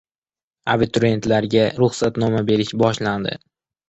Abiturientlarga ruxsatnoma berish boshlandi